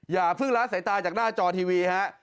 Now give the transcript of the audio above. อย่าพึ่งร้าสายตาจากหน้าจอทีวีครับ